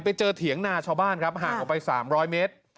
เถียงนาชาวบ้านครับห่างออกไป๓๐๐เมตร